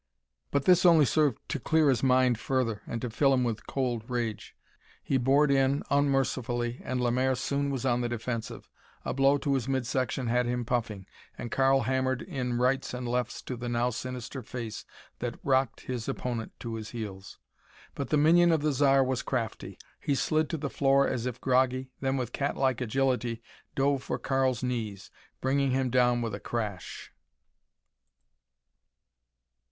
But this only served to clear his mind further and to fill him with a cold rage. He bored in unmercifully and Lemaire soon was on the defensive. A blow to his midsection had him puffing and Karl hammered in rights and lefts to the now sinister face that rocked his opponent to his heels. But the minion of the Zar was crafty. He slid to the floor as if groggy, then with catlike agility, dove for Karl's knees, bringing him down with a crash.